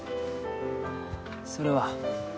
それは？